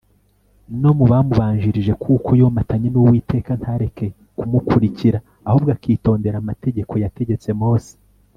no mu bamubanjirije kuko yomatanye n'uwiteka ntareke kumukurikira, ahubwo akitondera amategeko yategetse mose